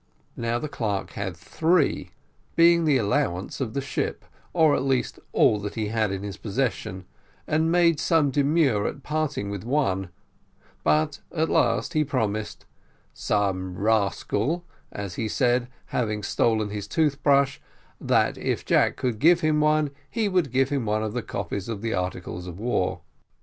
Now the clerk had three, being the allowance of the ship, or at least all that he had in his possession, and made some demur at parting with one; but at last he proposed "some rascal," as he said, "having stolen his tooth brush" that if Jack would give him one he would give him one of the copies of the articles of war.